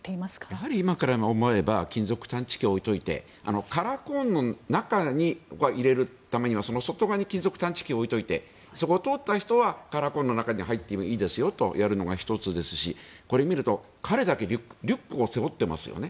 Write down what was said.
やはり今から思えば金属探知機を置いておいてカラーコーンの中に入れるためにはその外側に金属探知機を置いておいてそこを通った人はカラーコーンの中に入っていいですよとやるのが１つですしこれ見ると彼だけリュックを背負っていますよね。